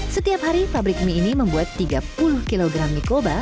setiap hari pabrik mie ini membuat tiga puluh kg mie koba